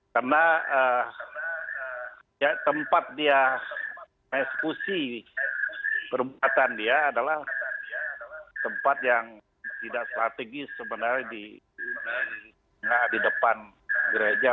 karena tempat dia ekskusi perempuan dia adalah tempat yang tidak strategis sebenarnya di depan gereja